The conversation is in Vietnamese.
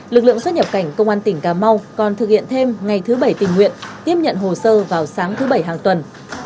lực lượng xuất nhập cảnh công an tỉnh cà mau còn thực hiện thêm ngày thứ bảy tình nguyện tiếp nhận hồ sơ vào sáng thứ bảy hàng tuần